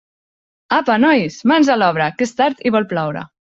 Apa, nois, mans a l'obra, que és tard i vol ploure!